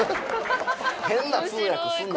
変な通訳すんな。